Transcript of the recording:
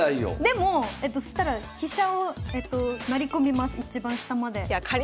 でもそしたら飛車を成り込みます一番下まで。